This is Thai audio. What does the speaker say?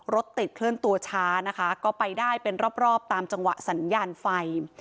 รถติดเคลื่อนตัวช้านะคะก็ไปได้เป็นรอบตามจังหวะสัญญาณไฟ